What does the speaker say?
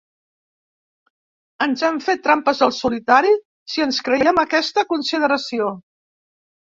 Ens hem fet trampes al solitari si ens creiem aquesta consideració.